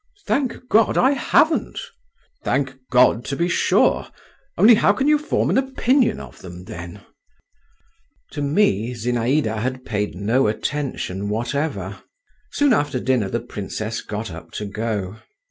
"Thank God, I haven't!" "Thank God, to be sure … only how can you form an opinion of them, then?" To me Zinaïda had paid no attention whatever. Soon after dinner the princess got up to go.